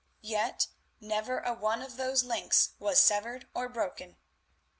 Yet never a one of those links was severed or broken.